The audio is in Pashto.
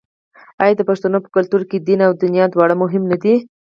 آیا د پښتنو په کلتور کې دین او دنیا دواړه مهم نه دي؟